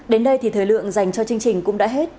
đến đây thì thời lượng dành cho chương trình cũng đã hết